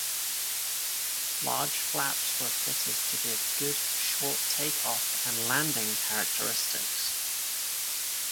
Large flaps were fitted to give good short takeoff and landing characteristics.